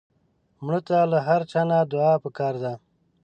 مړه ته له هر چا نه دعا پکار ده